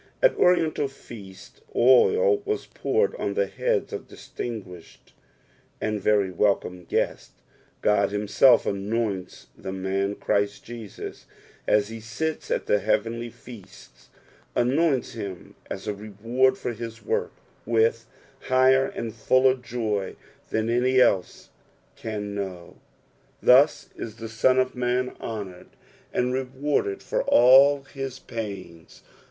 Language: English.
At Orienlal feasts oil wsa poured on the heads of distinguished and very welcome guests ; Ond himself anoints the man Christ Jesus, AS he sits at the jicavenly fea sts, anoints him as n reward for his work, with higher and fuller joy than any else can know ; thus is the Son of man honoured an^ rewarded fsr all his pains.